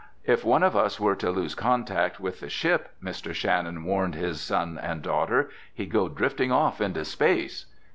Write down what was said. "If one of us were to lose contact with the ship," Mr. Shannon warned his son and daughter, "he'd go drifting off into space."